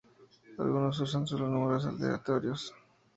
Algunos usan sólo números aleatorios.